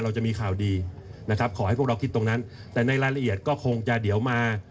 เราจะมีข่าวดีนะครับขอให้พวกเราคิดตรงนั้นแต่ในรายละเอียดก็คงจะเดี๋ยวมา